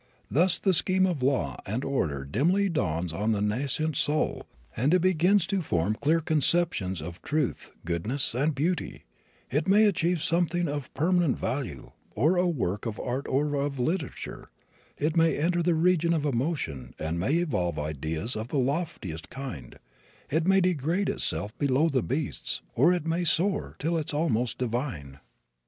Thus the scheme of law and order dimly dawns on the nascent soul, and it begins to form clear conceptions of truth, goodness, and beauty; it may achieve something of permanent value, or a work of art or of literature; it may enter the region of emotion and may evolve ideas of the loftiest kind; it may degrade itself below the beasts, or it may soar till it is almost divine.